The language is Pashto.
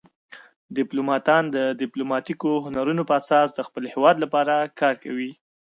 ډیپلوماتان د ډیپلوماتیکو هنرونو په اساس د خپل هیواد لپاره کار کوي